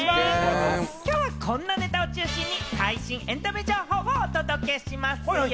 きょうはこんなネタを中心に最新エンタメ情報をお届けしますよ。